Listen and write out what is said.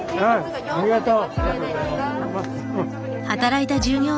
ありがとう！